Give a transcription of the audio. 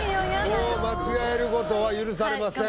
もう間違えることは許されません